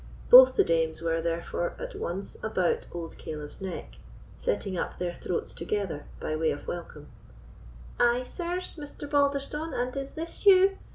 Both the dames were, therefore, at once about old Caleb's neck, setting up their throats together by way of welcome. "Ay, sirs, Mr. Balderstone, and is this you?